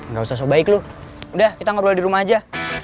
gausah sobaik lu udah kita ngobrol dirumah aja